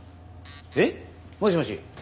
えっ？もしもし？